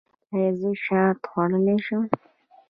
ایا زه شات خوړلی شم؟